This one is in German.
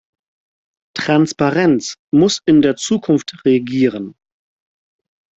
Transparenz muss in der Zukunft regieren.